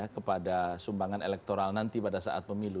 kepada sumbangan elektoral nanti pada saat pemilu